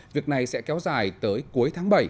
việc này sẽ kéo dài tới cuối tháng bảy